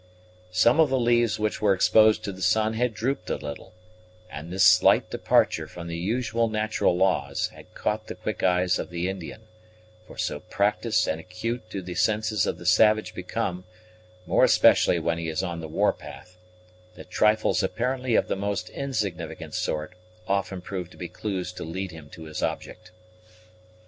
Some of the leaves which were exposed to the sun had drooped a little, and this slight departure from the usual natural laws had caught the quick eyes of the Indian; for so practised and acute do the senses of the savage become, more especially when he is on the war path, that trifles apparently of the most insignificant sort often prove to be clues to lead him to his object.